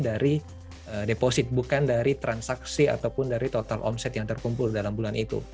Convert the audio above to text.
dari deposit bukan dari transaksi ataupun dari total omset yang terkumpul dalam bulan itu